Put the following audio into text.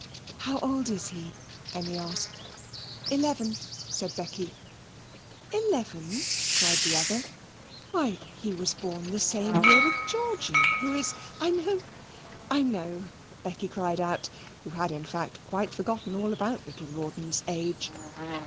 "How old is he?" Emmy asked. "Eleven," said Becky. "Eleven!" cried the other. "Why, he was born the same year with Georgy, who is " "I know, I know," Becky cried out, who had in fact quite forgotten all about little Rawdon's age.